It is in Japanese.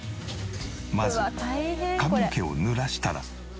まず髪の毛をぬらしたら。